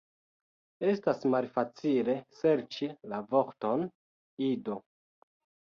Estas malfacile serĉi la vorton, Ido